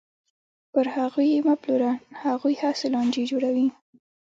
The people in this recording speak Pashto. پر هغوی یې مه پلوره، هغوی هسې لانجې جوړوي.